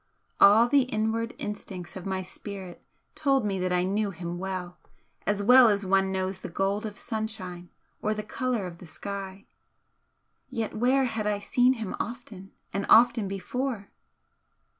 All the inward instincts of my spirit told me that I knew him well as well as one knows the gold of the sunshine or the colour of the sky, yet where had I seen him often and often before?